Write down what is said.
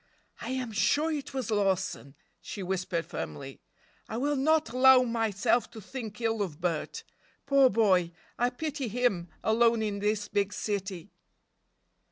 "I am sure it was Lawson," she whispered firmly: "I will not allow myself to think ill of Bert. Poor boy, I pity him, alone in this big city."